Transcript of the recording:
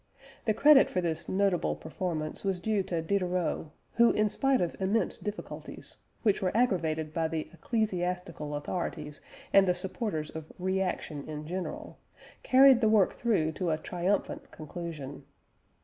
The credit for this notable performance was due to Diderot, who in spite of immense difficulties, which were aggravated by the ecclesiastical authorities and the supporters of reaction in general, carried the work through to a triumphant conclusion.